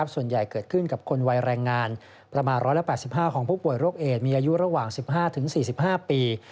ส่วนใหญ่เกิดขึ้นกับคนวัยแรงงานประมาณ๑๘๕ของผู้ป่วยโรคเอดมีอายุระหว่าง๑๕๔๕ปี